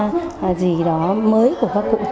hoặc là có những thay đổi gì đó mới của các cụ